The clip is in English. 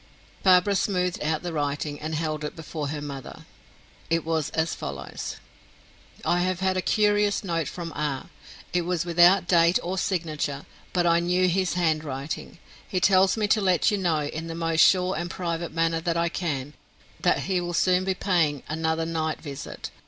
Barbara smoothed out the writing, and held it before her mother. It was as follows: "I have had a curious note from R. It was without date or signature, but I knew his handwriting. He tells me to let you know, in the most sure and private manner that I can, that he will soon be paying another night visit.